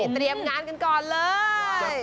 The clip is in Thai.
เตรียมงานกันก่อนเลย